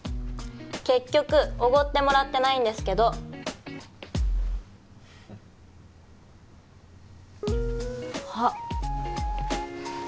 結局おごってもらってないんですけどあっ